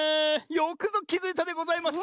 よくぞきづいたでございます。